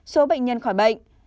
số bệnh nhân khỏi bệnh